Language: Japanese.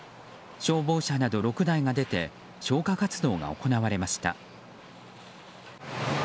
消防車など６台が出て消火活動が行われました。